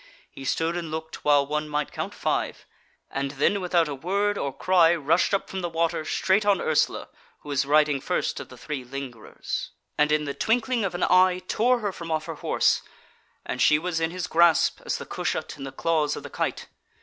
He stood and looked while one might count five, and then without a word or cry rushed up from the water, straight on Ursula, who was riding first of the three lingerers, and in the twinkling of an eye tore her from off her horse; and she was in his grasp as the cushat in the claws of the kite.